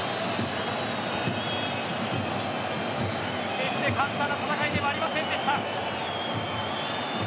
決して簡単な戦いではありませんでした。